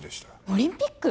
オリンピック！？